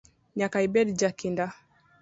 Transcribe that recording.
Nyaka ibed jakinda.